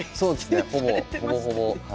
ほぼほぼ。